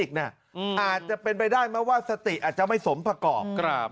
ที่คลินิกเนี่ยอาจจะเป็นไปได้มากว่าสติอาจจะไม่สมประกอบ